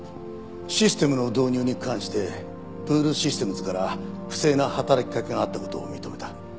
システムの導入に関してブールシステムズから不正な働きかけがあった事を認めた。